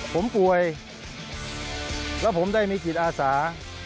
ผมป่วยแล้วผมได้มีจิตอาสา